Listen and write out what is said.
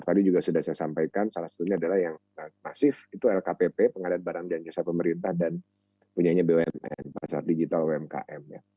tadi juga sudah saya sampaikan salah satunya adalah yang masif itu lkpp pengadaan barang dan jasa pemerintah dan punyanya bumn pasar digital umkm